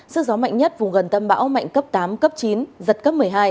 sức gió mạnh nhất vùng gần tâm bão mạnh cấp tám cấp chín giật cấp một mươi hai